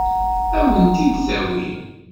Ad wen-t-id-tawi?